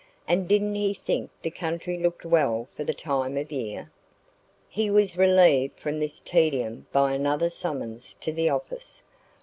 And didn't he think the country looked well for the time of year? He was relieved from this tedium by another summons to the office.